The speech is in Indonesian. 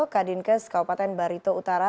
kadinkes kabupaten barito utara